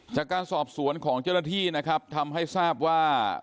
จากการสอบสวนของเจ้าหน้าที่นะครับทำให้ทราบว่า